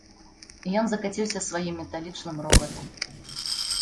І ён закаціўся сваім металічным рогатам.